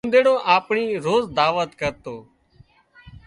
اونۮيڙو آپڻي روز دعوت ڪرتو